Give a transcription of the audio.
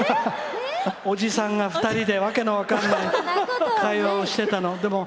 おじさんが２人でわけの分かんない会話をしてたの。